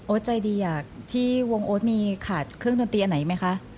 ใจดีอยากที่วงโอ๊ตมีขาดเครื่องดนตรีอันไหนไหมคะ